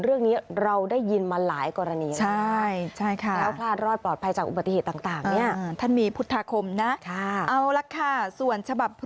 เรื่องนี้เราได้ยินมาหลายกรณีใช่ใช่ค่ะ